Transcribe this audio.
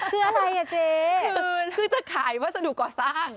เพื่ออะไรนะเจ๊คือคือจะขายวัสดุก่อสร้าง